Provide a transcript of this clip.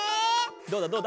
どうだどうだ？